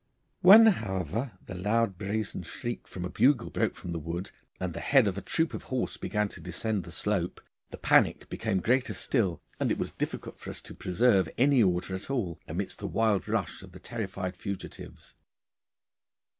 When, however, the loud brazen shriek from a bugle broke from the wood, and the head of a troop of horse began to descend the slope, the panic became greater still, and it was difficult for us to preserve any order at all amidst the wild rush of the terrified fugitives.